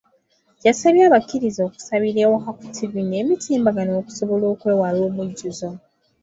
Yasabye abakkirize okusabira ewaka ku ttivvi n’emitimbagano okusobola okwewala omujjuzo.